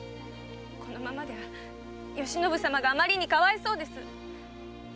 このままでは嘉信様があまりにかわいそうです！